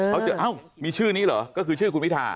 เขาจะเอ้ามีชื่อนี้เหรอก็คือชื่อคุณพิธา